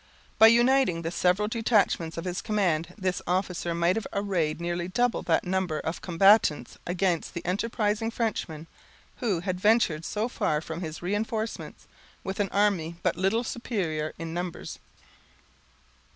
By uniting the several detachments of his command, this officer might have arrayed nearly double that number of combatants against the enterprising Frenchman, who had ventured so far from his reinforcements, with an army but little superior in numbers.